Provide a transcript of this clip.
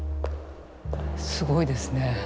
すごいですね。